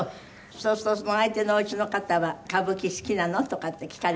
そうすると相手のおうちの方は「歌舞伎好きなの？」とかって聞かれるでしょ？